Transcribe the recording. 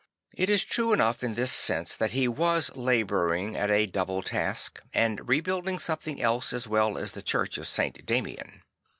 It is true enough in this sense that he was labouring at a double task, and rebuilding something else as well as the church of St. Damian.